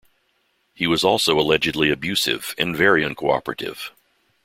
He was also allegedly abusive and very uncooperative.